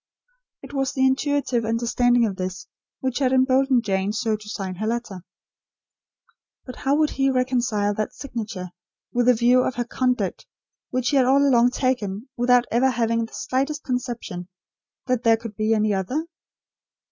It was the intuitive understanding of this, which had emboldened Jane so to sign her letter. But how would he reconcile that signature with the view of her conduct which he had all along taken, without ever having the slightest conception that there could be any other?